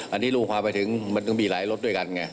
อันนี้ลูกความไปถึงมันก็มีหลายรถด้วยกันไง